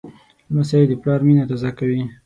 لمسی د پلار مینه تازه کوي.